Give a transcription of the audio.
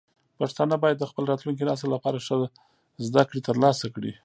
پښتانه باید د خپل راتلونکي نسل لپاره ښه زده کړې ترلاسه کړي.